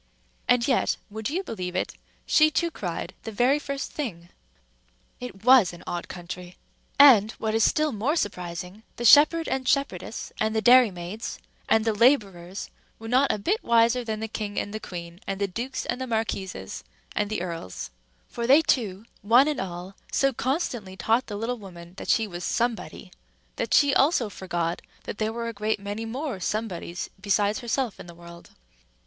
And yet (would you believe it?) she too cried the very first thing. It was an odd country! And, what is still more surprising, the shepherd and shepherdess and the dairymaids and the laborers were not a bit wiser than the king and the queen and the dukes and the marquises and the earls; for they too, one and all, so constantly taught the little woman that she was Somebody, that she also forgot that there were a great many more Somebodies besides herself in the world.